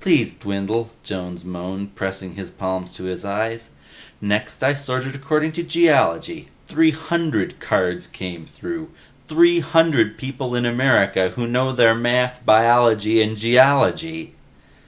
"Please, Dwindle," Jones moaned, pressing his palms to his eyes. "Next I sorted according to Geology. Three hundred cards came through. Three hundred people in America who know their math, biology and geology!"